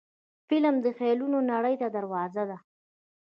فلم د خیالونو نړۍ ته دروازه ده